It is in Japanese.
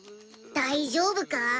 大丈夫カ？